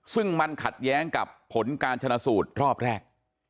ซึ่งมันขัดแย้งกับผลการชนะสูตรรอบแรก